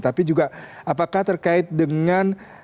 tapi juga apakah terkait dengan